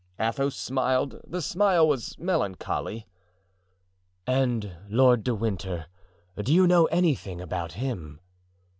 Athos smiled; the smile was melancholy. "And Lord de Winter—do you know anything about him?"